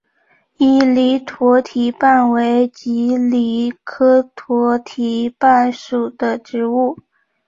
伊犁驼蹄瓣为蒺藜科驼蹄瓣属的植物。